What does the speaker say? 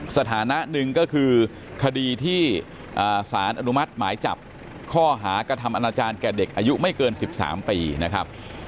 สถานะหนึ่งก็คือคดีที่สารอนุมัติหมายจับข้อหากระทำอนาจารย์แก่เด็กอายุไม่เกิน๑๓ปีนะครับ